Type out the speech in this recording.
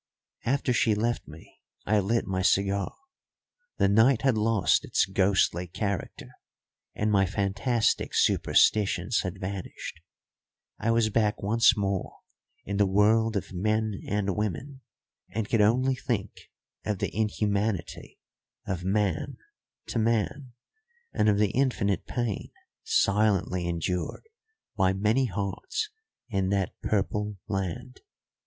After she left me I lit my cigar. The night had lost its ghostly character and my fantastic superstitions had vanished. I was back once more in the world of men and women, and could only think of the inhumanity of man to man, and of the infinite pain silently endured by many hearts in that Purple Land.